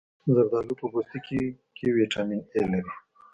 زردالو په پوستکي کې ویټامین A لري.